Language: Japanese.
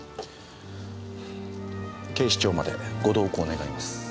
警視庁までご同行願います。